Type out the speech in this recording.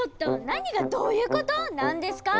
何が「どゆこと⁉」なんですか！